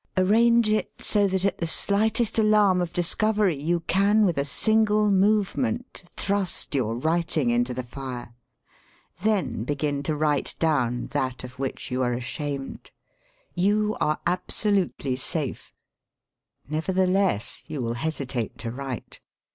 Arrange it so that at the slightest alarm of discovery you can with a single movement thrust your writing into the fire. Then begin to write down that of which you are ashamed. You are absolutely safe. Nevertheless you will hesi tate to write.